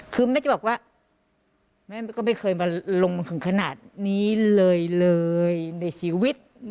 คือแม่จะบอกว่าแม่ก็ไม่เคยมาลงถึงขนาดนี้เลยเลยในชีวิต